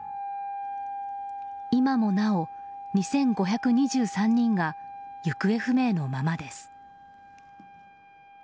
今もなお２５２３人が行方不明のままです。